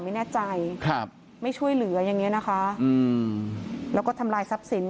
ไม่แน่ใจครับไม่ช่วยเหลืออย่างเงี้ยนะคะอืมแล้วก็ทำลายทรัพย์สิน